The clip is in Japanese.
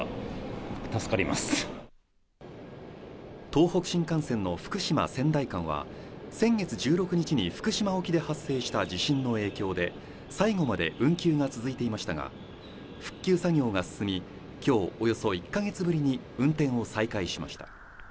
東北新幹線の福島−仙台間は、先月１６日に福島沖で発生した地震の影響で最後まで運休が続いていましたが、復旧作業が進み、今日およそ１か月ぶりに運転を再開しました。